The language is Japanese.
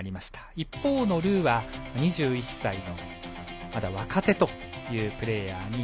一方のルーは２１歳のまだ若手というプレーヤー。